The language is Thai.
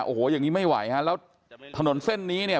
โอ้โหอย่างนี้ไม่ไหวฮะแล้วถนนเส้นนี้เนี่ย